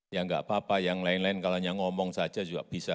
ya nggak apa apa yang lain lain kalau hanya ngomong saja juga bisa